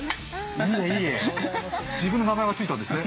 自分の名前がついたんですね。